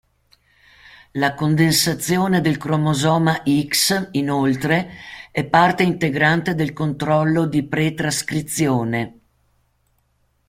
La condensazione del cromosoma X, inoltre, è parte integrante del controllo di pre-trascrizione.